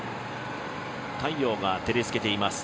太陽が照りつけています。